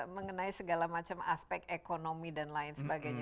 mengenai segala macam aspek ekonomi dan lain sebagainya